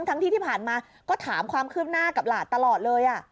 ทั้งที่ที่ผ่านมาก็ถามความคืบหน้ากับหลานตลอดเลย